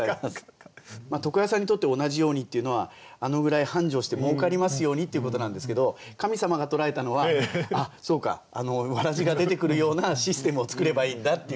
床屋さんにとって「同じように」っていうのはあのぐらい繁盛してもうかりますようにっていうことなんですけど神様が捉えたのはそうかわらじが出てくるようなシステムを作ればいいんだっていうね